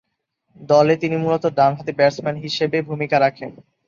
দলে তিনি মূলতঃ ডানহাতি ব্যাটসম্যান হিসেবে ভূমিকা রাখেন।